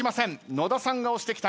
野田さんが押してきた。